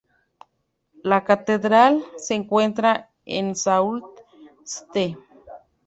La catedral se encuentra en Sault Ste.